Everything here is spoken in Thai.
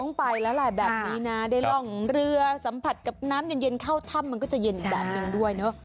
ต้องไปแล้วแบบนี้นะได้ร่องเรือสัมผัสกับน้ำเย็นเข้าถ้ำมันก็จะเย็นแบบนึงด้วย